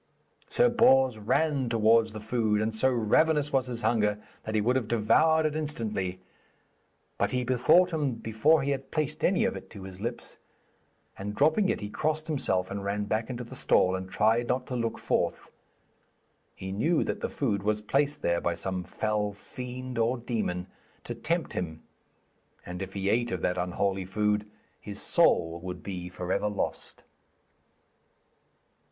Sir Bors ran towards the food, and so ravenous was his hunger that he would have devoured it instantly. But he bethought him before he had placed any of it to his lips, and dropping it he crossed himself and ran back into the stall and tried not to look forth. He knew that the food was placed there by some fell fiend or demon to tempt him, and if he ate of that unholy food, his soul would be for ever lost.